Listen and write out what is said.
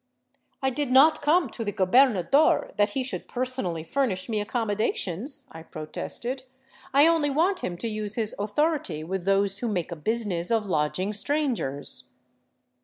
" I did not come to the gobernador that he should personally fur nish me accommodations," I protested. " I only want him to use his authority with those who make a business of lodging strangers."